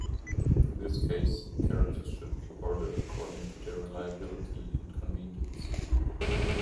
In this case, the characters should be ordered according to their reliability and convenience.